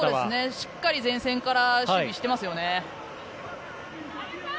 しっかり前線から守備していますよね。